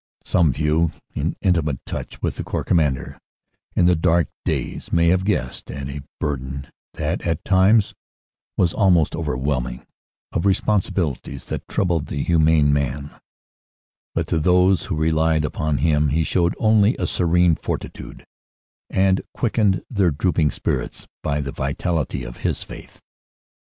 Some few in intimate touch with the Corps Commander in the dark days may have guessed at a burden that at times was almost overwhelming, of responsibil ities that troubled the humane man; but to those who relied upon him he showed only a serene fortitude, and quickened their drooping spirits by the vitality of his faith.